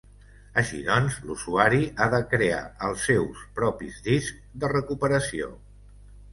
Així doncs, l'usuari ha de crear els seus propis discs de recuperació.